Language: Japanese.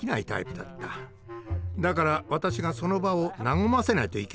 だから私がその場を和ませないといけなかったんだ。